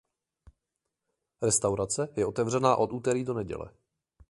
Restaurace je otevřená od úterý do neděle.